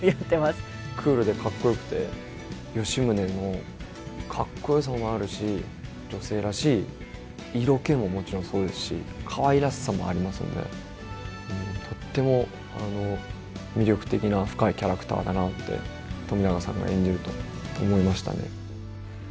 クールでかっこよくて吉宗のかっこよさもあるし女性らしい色気ももちろんそうですしかわいらしさもありますのでとっても魅力的な深いキャラクターだなって冨永さんが演じると思いましたね。